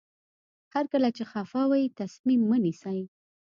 هر کله چې خفه وئ تصمیم مه نیسئ.